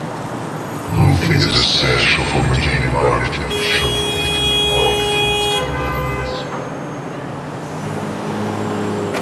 Clothing is essential for maintaining body temperature and protecting the body from external elements.